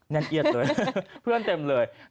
แน่นเอียดเลยเพื่อนเต็มเลย